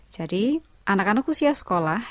jadi anak anak usia sekolah